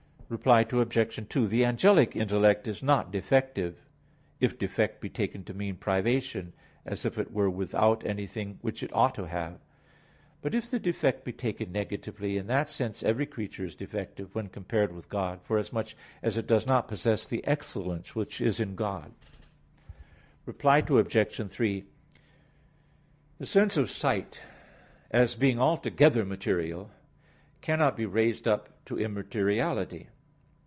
Reply Obj. 2: The angelic intellect is not defective, if defect be taken to mean privation, as if it were without anything which it ought to have. But if the defect be taken negatively, in that sense every creature is defective, when compared with God; forasmuch as it does not possess the excellence which is in God. Reply Obj. 3: The sense of sight, as being altogether material, cannot be raised up to immateriality.